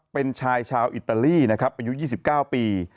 เป็นชายชาวอิตาลีนะครับอายุ๒๙ปี